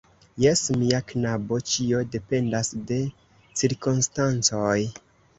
Jes, mia knabo; ĉio dependas de cirkonstancoj.